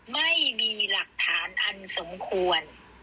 ไม่มีหลักฐานอันสมควร